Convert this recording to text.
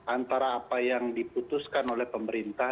antara apa yang diputuskan oleh pemerintah